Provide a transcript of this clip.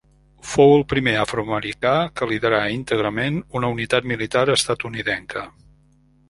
Fou el primer afroamericà que liderà íntegrament una unitat militar estatunidenca.